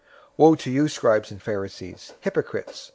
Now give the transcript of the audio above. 023:025 "Woe to you, scribes and Pharisees, hypocrites!